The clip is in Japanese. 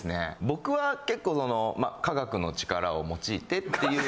僕は結構その科学の力を用いてっていう。